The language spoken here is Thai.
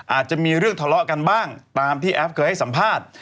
อาจจะมีเรื่องทะเลาะกันบ้างตามที่แอฟเคยให้สัมภาษณ์